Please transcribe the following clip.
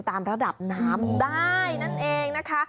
ตามระดับน้ำได้นั่นเองนะคะ